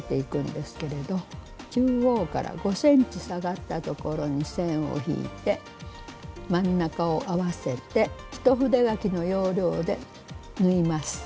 中央から５ｃｍ下がったところに線を引いて真ん中を合わせて一筆書きの要領で縫います。